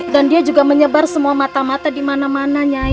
dan dia juga menyebar semua mata mata di mana mana nyai